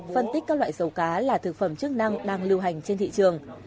phân tích các loại dầu cá là thực phẩm chức năng đang lưu hành trên thị trường